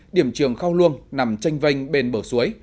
điểm trường khao luông nằm tranh vanh bên bờ suối